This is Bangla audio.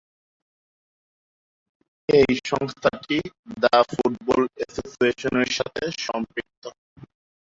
এই সংস্থাটি দ্য ফুটবল অ্যাসোসিয়েশনের সাথে সম্পৃক্ত।